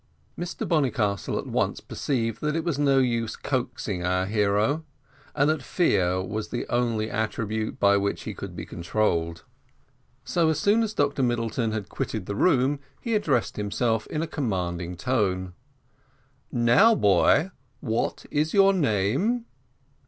Mr Bonnycastle at once perceived that it was no use coaxing our hero, and that fear was the only attribute by which he could be controlled. So, as soon as Dr Middleton had quitted the room, he addressed him in a commanding tone, "Now, boy, what is your name?"